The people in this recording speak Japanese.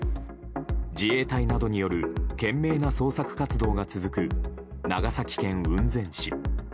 自衛隊などによる懸命な捜索活動が続く長野県雲仙市。